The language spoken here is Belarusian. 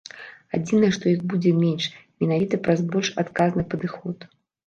Адзінае, што іх будзе менш, менавіта праз больш адказны падыход.